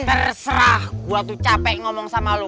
terserah gua tuh capek ngomong sama lu